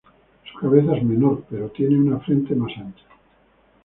Su cabeza es menor, pero tiene una frente más ancha.